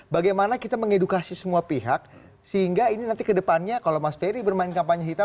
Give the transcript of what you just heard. bagaimana kita mengedukasi semua pihak sehingga ini nanti kedepannya kalau mas ferry bermain kampanye hitam